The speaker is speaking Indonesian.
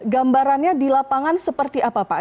gambarannya di lapangan seperti apa pak